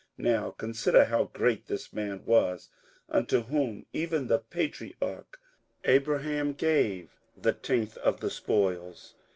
58:007:004 Now consider how great this man was, unto whom even the patriarch Abraham gave the tenth of the spoils.